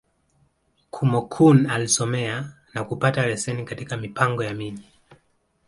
Kúmókụn alisomea, na kupata leseni katika Mipango ya Miji.